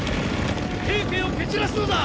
平家を蹴散らすのだ！